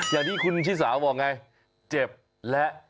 อย่างที่คุณชิสาบอกไงเจ็บและ